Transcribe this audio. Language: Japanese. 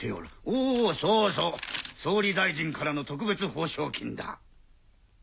おっそうそう総理大臣からの特別報奨金だ。